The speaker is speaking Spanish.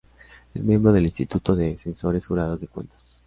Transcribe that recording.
Es miembro del Instituto de Censores Jurados de Cuentas.